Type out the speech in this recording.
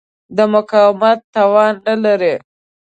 د مقاومت توان نه لري.